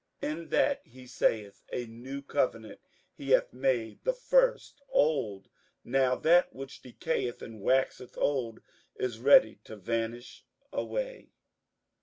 58:008:013 In that he saith, A new covenant, he hath made the first old. Now that which decayeth and waxeth old is ready to vanish away.